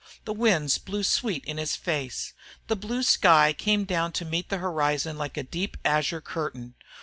The winds blew sweet in his face. The blue sky came down to meet the horizon like a deep azure curtain.